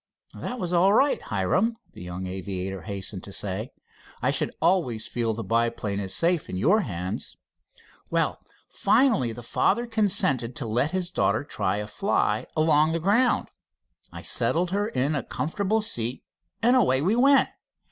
"That was all right, Hiram," the young aviator hastened to say. "I should always feel that the biplane is safe in your hands." "Well, finally the father consented to let his daughter try a fly along the ground. I settled her in a comfortable seat, and away we went.